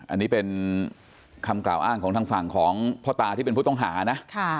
อันนี้เป็นคำกล่าวอ้างของทางฝั่งของพ่อตาที่เป็นผู้ต้องหานะ